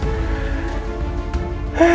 kalau nanti dia datang